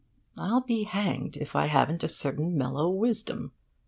I'll be hanged if I haven't a certain mellow wisdom.